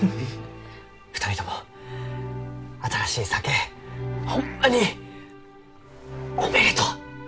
２人とも新しい酒ホンマにおめでとう！